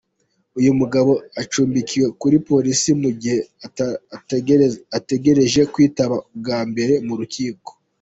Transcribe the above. Uyu mugabo acumbikiwe kuri polisi mu gihe ategereje kwitaba bwa mbere mu rukiko.